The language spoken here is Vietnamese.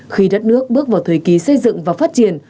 khi đất nước bước vào thời kỳ xây dựng và phát triển